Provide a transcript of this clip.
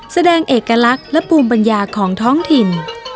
แสดงเอกลักษณ์และภูมิปัญญาของท้องถิ่น